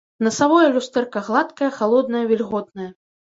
Насавое люстэрка гладкае, халоднае, вільготнае.